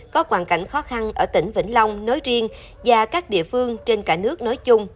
có hoàn cảnh khó khăn ở tỉnh vĩnh long nói riêng và các địa phương trên cả nước nói chung